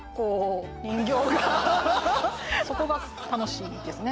人形がそこが楽しいですね